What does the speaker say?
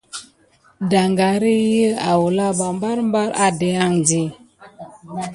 Daŋgar iki awula ɓa barbar adéke andi.